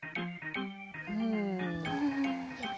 うん。